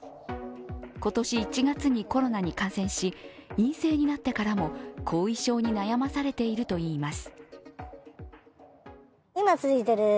今年１月にコロナに感染し、陰性になってからも後遺症に悩まされているといいます。